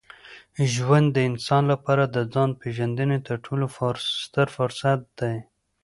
ژوند د انسان لپاره د ځان پېژندني تر ټولو ستر فرصت دی.